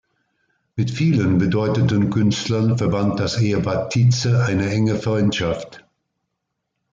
Mit vielen bedeutenden Künstlern verband das Ehepaar Tietze eine enge Freundschaft.